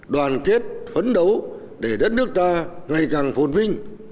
đoàn kết phấn đấu để đất nước ta ngày càng phồn vinh